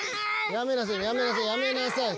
やめなさいやめなさいやめなさい！